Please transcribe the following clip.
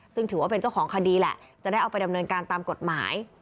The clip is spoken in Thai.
ซึ่งถือว่าเป็นเจ้าของคดีแหละจะได้เอาไปดำเนินการตามกฎหมาย